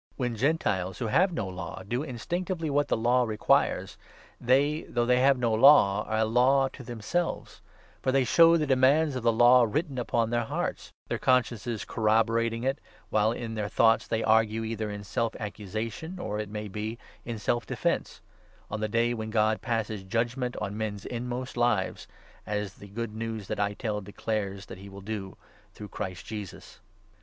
When 14 Gentiles, who have no Law, do instinctively what the Law requires, they, though they have no Law, are a Law to them selves ; for they show the demands of the Law written upon 15 their hearts ; their consciences corroborating it, while in their thoughts they argue either in self accusation or, it may be, in self defence on the day when God passes judgement on 16 men's inmost lives, as the Good News that I tell declares that he will do through Christ Jesus.